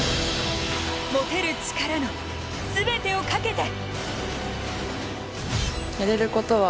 持てる力の全てをかけて。